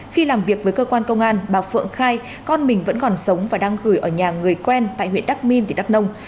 khi làm việc với cơ quan công an bà phượng khai con mình vẫn còn sống và đang gửi ở nhà người quen tại huyện đắc minh đắc nông